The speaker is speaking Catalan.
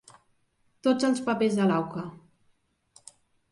Tots els papers de l'auca.